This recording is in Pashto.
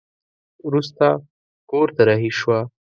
وروسته کور ته رهي شوه.